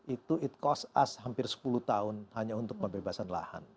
itu it cost us hampir sepuluh tahun hanya untuk pembebasan lahan